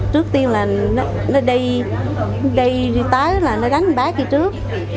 trước tiên là nó đi tới là nó đánh bá kia trước